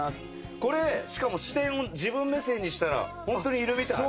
これしかも視点を自分目線にしたらホントにいるみたい。